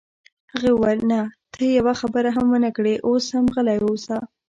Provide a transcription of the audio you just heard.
هغې وویل: نه، ته یوه خبره هم ونه کړې، اوس هم غلی اوسه.